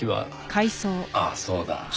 ああそうだ。